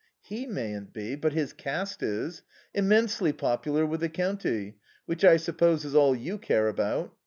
"He mayn't be, but his caste is. Immensely popular with the county, which I suppose is all you care about.